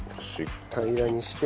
平らにして。